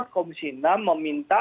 komisi enam meminta